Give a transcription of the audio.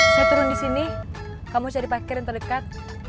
saya turun disini kamu cari pakir yang terdekat